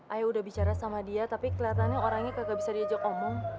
ae udah bicara sama dia tapi keliatannya orangnya kagak bisa diajak omong